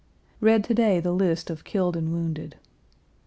Read to day the list of killed and wounded.